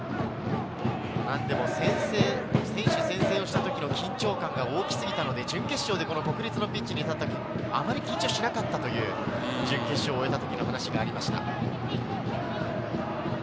何でも、選手宣誓をした時の緊張感が大きすぎたので、準決勝で国立のピッチに立ってあまり緊張しなかったという準決勝を終えた時の話がありました。